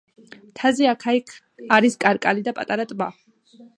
მთაზე აქა-იქ არის კარკალი და პატარა ტბა.